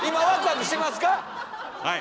はい。